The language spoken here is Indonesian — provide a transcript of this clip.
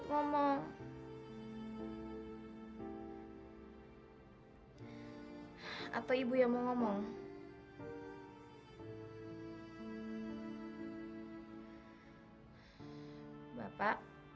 tidak naya kerja makin mus ahead